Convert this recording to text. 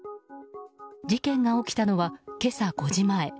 事件が起きたのは、今朝５時前。